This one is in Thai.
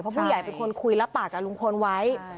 ผู้ใหญ่เป็นคนคุยรับปากกับลุงพลไว้